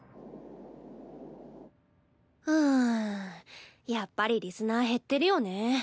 うんやっぱりリスナー減ってるよね。